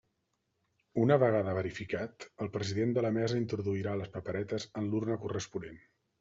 Una vegada verificat, el president de la Mesa introduirà les paperetes en l'urna corresponent.